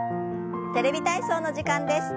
「テレビ体操」の時間です。